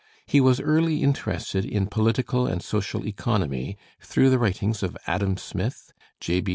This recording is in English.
He was early interested in political and social economy through the writings of Adam Smith, J.